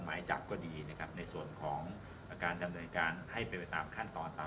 หมายจับก็ดีนะครับในส่วนของการดำเนินการให้เป็นไปตามขั้นตอนตาม